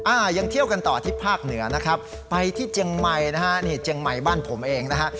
อ่ายังเที่ยวกันต่อที่ภาคเหนือนะครับไปที่เจียงใหม่นะฮะนี่เจียงใหม่บ้านผมเองนะฮะ